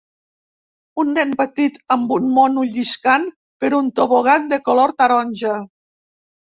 Un nen petit amb un mono lliscant per un tobogan de color taronja